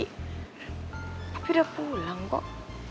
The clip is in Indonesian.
tapi udah pulang kok